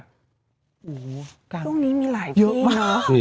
โอ้โหตรงนี้มีหลายที่เนอะ